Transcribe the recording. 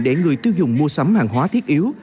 để người tiêu dùng mua sắm hàng hóa thiết yếu